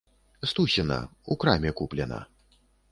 Стусіна, у краме куплена.